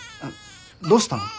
どうしたの？